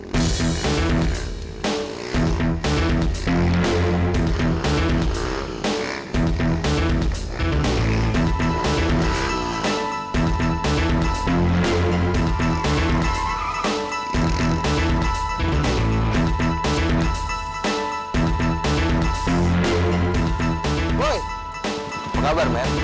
woi apa kabar men